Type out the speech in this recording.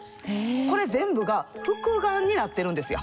これ全部が「複眼」になってるんですよ。